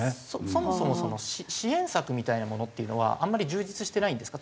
そもそも支援策みたいなものっていうのはあんまり充実してないんですか？